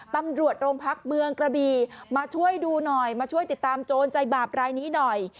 ตำรวจโรงพักเมืองกระบีมาช่วยดูหน่อยมาช่วยติดตามโจรใจบาปรายนี้หน่อย